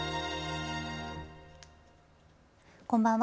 こんばんは。